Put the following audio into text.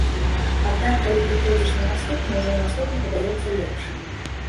Аднак, калі прыходзіш на наступны, ужо наступны падаецца лепшым.